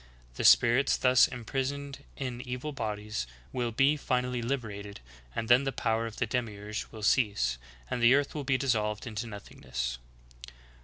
The spirits thus impris oned in evil bodies will be finally liberated, and then the power of the Demiurge will cease, and the earth will be dissolved into nothingness.